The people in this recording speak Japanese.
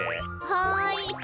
はい。